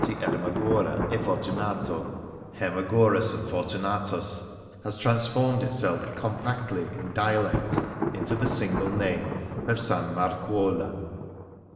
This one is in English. Ermagora e Fortunato (Hermagoras and Fortunatus) has transformed itself compactly in dialect into the single name of " S. Marcuola"